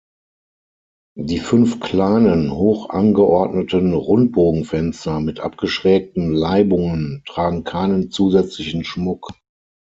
Die fünf kleinen hoch angeordneten Rundbogenfenster mit abgeschrägten Leibungen tragen keinen zusätzlichen Schmuck.